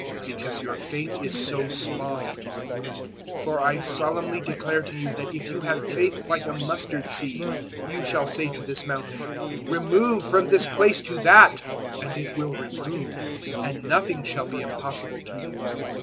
017:020 "Because your faith is so small," He replied; "for I solemnly declare to you that if you have faith like a mustard seed, you shall say to this mountain, `Remove from this place to that,' and it will remove; and nothing shall be impossible to you.